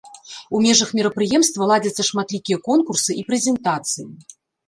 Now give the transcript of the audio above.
У межах мерапрыемства ладзяцца шматлікія конкурсы і прэзентацыі.